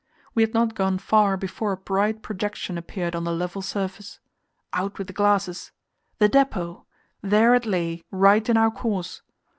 We had not gone far before a bright projection appeared on the level surface. Out with the glasses the depot! There it lay, right in our course.